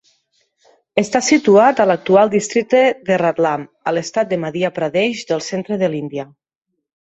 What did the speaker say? Està situat a l'actual districte de Ratlam, a l'Estat de Madhya Pradesh del centre de l'Índia.